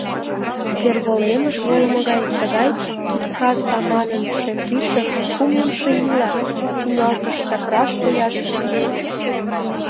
Порволемыш волымо гай тыгай туткар саманын шем тӱсшӧ кумлымшо ийла тӱҥалтыштак раш кояш тӱҥале.